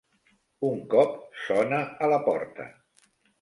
Un cop sona a la porta.